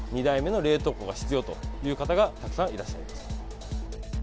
２台目の冷凍庫が必要という方がたくさんいらっしゃいます。